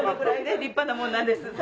立派なもんなんです最初は。